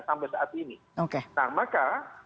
sampai saat ini nah maka